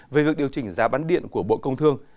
về việc điều chỉnh giá bán điện của bộ công thương